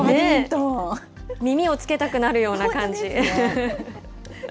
耳をつけたくなるような感じ。